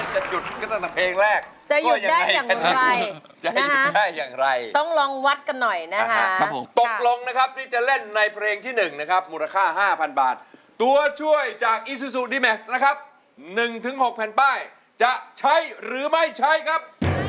จะหยุดได้อย่างไรนะครับต้องลองวัดกันหน่อยนะครับตกลงนะครับที่จะเล่นในเพลงที่๑นะครับมูลค่า๕๐๐๐บาทตัวช่วยจากอีซูซูดิแม็กซ์นะครับ๑๖แผ่นป้ายจะใช้หรือไม่ใช้ครับ